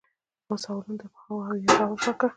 زما سوالونو ته په هو او یا ځواب راکړه